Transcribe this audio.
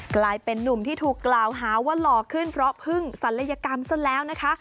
กลายเป็นนุ่มที่ถูกกล่าวหาว่าหล่อขึ้นเพราะพึ่งศัลยกรรมซะแล้วนะคะ